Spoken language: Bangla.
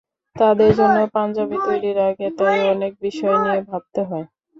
তাদের জন্য পাঞ্জাবি তৈরির আগে তাই অনেক বিষয় নিয়ে ভাবতে হয়।